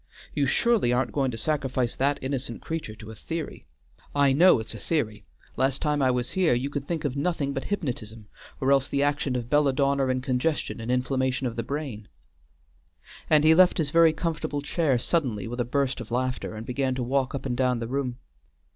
"You surely aren't going to sacrifice that innocent creature to a theory! I know it's a theory; last time I was here, you could think of nothing but hypnotism or else the action of belladonna in congestion and inflammation of the brain;" and he left his very comfortable chair suddenly, with a burst of laughter, and began to walk up and down the room.